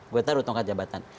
gue taruh tongkat jabatan